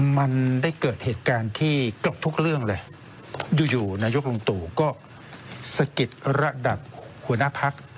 มันได้เกิดเหตุการณ์ที่เกือบทุกเรื่องเลยอยู่อยู่นายกลุงตู่ก็สะกิดระดับหัวหน้าพัก